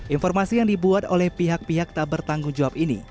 informasi yang dibuat oleh pihak pihak tak bertanggung jawab ini